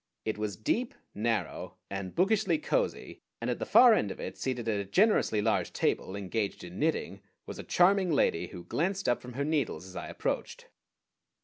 It was deep, narrow, and bookishly cozy, and at the far end of it, seated at a generously large table, engaged in knitting, was a charming lady who glanced up from her needles as I approached.